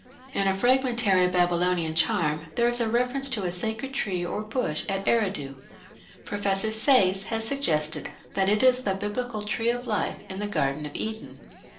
In a fragmentary Babylonian charm there is a reference to a sacred tree or bush at Eridu. Professor Sayce has suggested that it is the Biblical "Tree of Life" in the Garden of Eden.